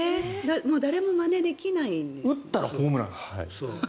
誰もまねできないんですか？